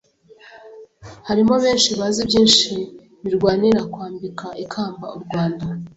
Harimo benshi bazi byinshi Barwanira kwambika ikamba uRwanda.